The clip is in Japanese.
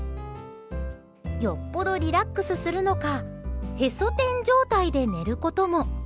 よっぽどリラックスするのかへそ天状態で寝ることも。